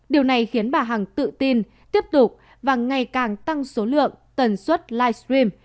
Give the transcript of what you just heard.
điều này khiến bà hằng tự tin tiếp tục và ngày càng tăng số lượng tần suất live stream